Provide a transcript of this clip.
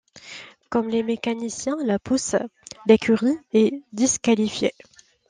Comme les mécaniciens la poussent, l'écurie est disqualifiée.